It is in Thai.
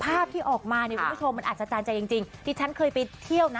ภาพที่ออกมาเนี่ยคุณผู้ชมมันอัศจรรย์ใจจริงจริงที่ฉันเคยไปเที่ยวนะ